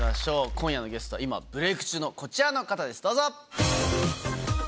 今夜のゲストは今ブレーク中のこちらの方ですどうぞ！